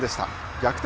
逆転